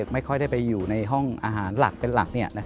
ไม่ค่อยได้ไปอยู่ในห้องอาหารหลักเป็นหลัก